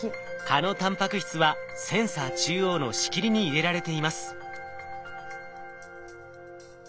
蚊のタンパク質はセンサー中央の仕切りに入れられています。